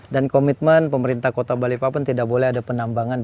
dan komitmen pemerintah kota bali papan tidak boleh ada penambahan